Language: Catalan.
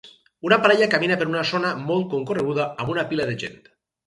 Una parella camina per una zona molt concorreguda amb una pila de gent.